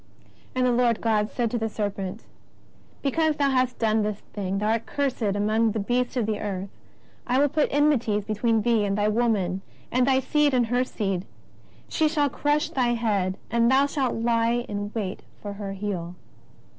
And the Lord God said to the serpent : Because thou hast done this thing, thou art cursed among all beasts of the earth. I will put enmities between thee and the woman, and thy seed and lier seed : she shall crush thy head, and thou shalt lie in wait for her heel."